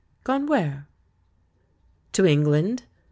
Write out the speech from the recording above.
Gone where?" "To England.